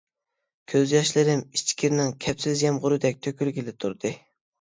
كۆز ياشلىرىم ئىچكىرىنىڭ كەپسىز يامغۇرىدەك تۆكۈلگىلى تۇردى.